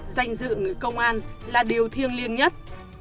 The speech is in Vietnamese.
danh dự người công an là điều thiêng liêng nhất